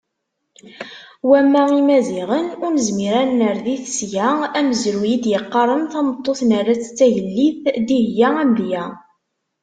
Wamma Imaziɣen, ur nezmir ad nerr di tesga amezruy i d-yeqqaren tameṭṭut nerra-tt d tagellidt, Dihya d amedya.